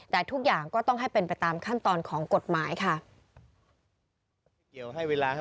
แต่ทุกอย่างก็ต้องให้เป็นไปตามขั้นตอนของกฎหมายค่ะ